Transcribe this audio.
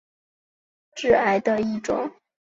硫唑嘌呤被视为是致癌物的一种。